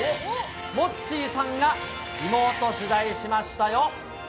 モッチーさんがリモート取材しましたよ。